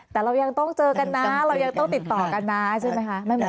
แต่เรายังต้องเจอกันนะเรายังต้องติดต่อกันนะใช่ไหมคะ